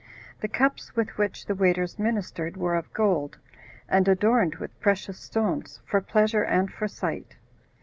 The cups with which the waiters ministered were of gold, and adorned with precious stones, for pleasure and for sight.